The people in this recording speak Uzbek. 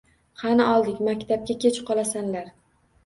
Qani oldik, maktabga kech qolasanlar…